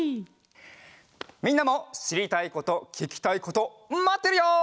みんなもしりたいことききたいことまってるよ！